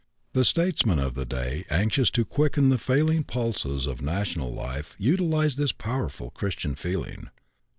The statesmen of the day, anxious to quicken the failing pulses of national life, utilized this powerful Christian feeling.